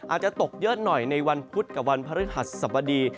อาจจะตกเยอะหน่อยในวันพุฒิภรรยาธรรมกับวันพฤหัสสวดี